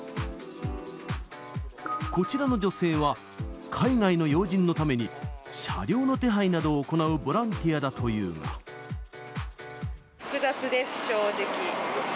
こちらの女性は、海外の要人のために、車両の手配などを行うボランティアだという複雑です、正直。